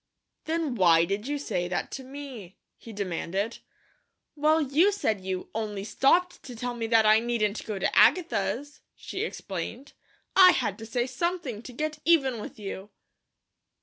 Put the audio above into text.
"Then WHY did you say that to me?" he demanded. "Well, you said you 'only stopped to tell me that I needn't go to Agatha's,'" she explained. "I had to say something, to get even with you!"